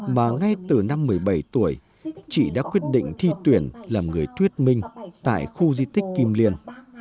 mà ngay từ năm một mươi bảy tuổi chị đã quyết định thi tuyển làm người thuyết minh tại khu di tích kim liên